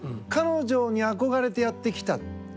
彼女に憧れてやってきた。